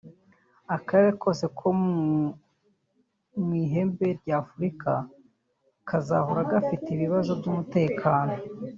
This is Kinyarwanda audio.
akarere kose ko mu ihembe rya Afurika kazahora gafite ibibazo by’umutekano